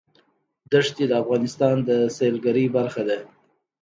ښتې د افغانستان د سیلګرۍ برخه ده.